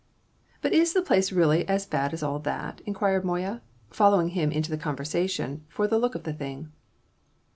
"But is the place really as bad as all that?" inquired Moya, following him into the conversation for the look of the thing.